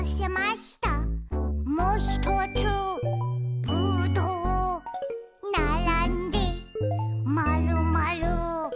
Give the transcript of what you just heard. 「もひとつぶどう」「ならんでまるまる」